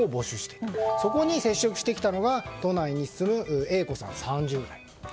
そこに接触してきたのが都内に住むＡ子さん、３０代。